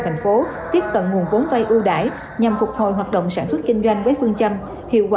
thành phố tiếp cận nguồn vốn vay ưu đãi nhằm phục hồi hoạt động sản xuất kinh doanh với phương châm hiệu quả